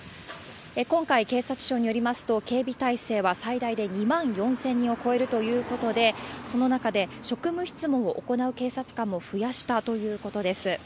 今回、警察庁によりますと、警備態勢は最大で２万４０００人を超えるということで、その中で、職務質問を行う警察官も増やしたということです。